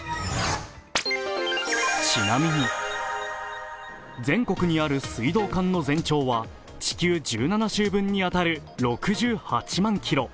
ちなみに、全国にある水道管の全長は地球１７周分に当たる６８万キロ。